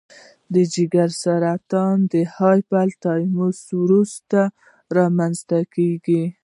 د ځګر سرطان د هپاتایتس وروسته رامنځته کېږي.